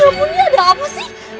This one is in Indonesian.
eh apapun ya ada apa sih